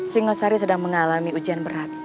singosari sedang mengalami ujian berat